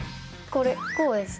これこうです。